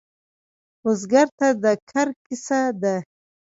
بزګر ته د کر کیسه ده